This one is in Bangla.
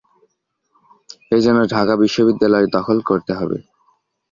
এ জন্য ঢাকা বিশ্ববিদ্যালয় দখল করতে হবে।